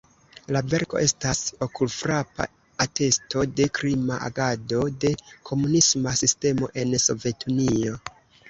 La verko estas okulfrapa atesto de krima agado de komunisma sistemo en Sovetunio.